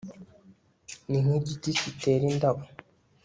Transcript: ni nk'igiti kitera indabo